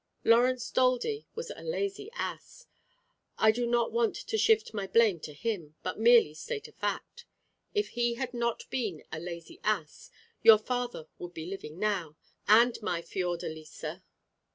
Laurence Daldy was a lazy ass. I do not want to shift my blame to him, but merely state a fact. If he had not been a lazy ass, your father would be living now ay, and my Fiordalisa.